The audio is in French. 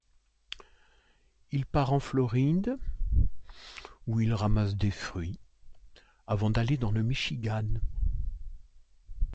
Il part en Floride où il ramasse des fruits avant d'aller dans le Michigan.